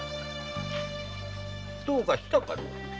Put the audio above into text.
どうかしたかね？